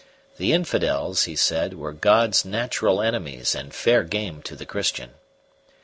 The infidels, he said, were God's natural enemies and fair game to the Christian.